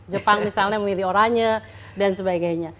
jepang misalnya memilih oranya dan sebagainya